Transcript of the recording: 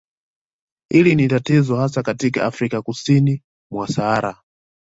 Hili ni tatizo hasa katika Afrika kusini mwa Sahara